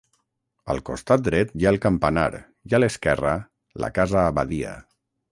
Al costat dret hi ha el campanar i a l'esquerra, la casa abadia.